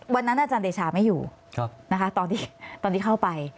อาจารย์เดชาไม่อยู่นะคะตอนที่เข้าไป